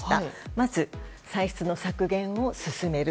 まず、歳出の削減を進める。